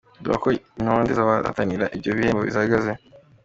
Dore uko intonde z'abahatanira ibyo bihembo zihagaze:.